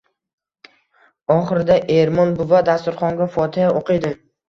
Oxirida Ermon buva dasturxonga fotiha o‘qiydi.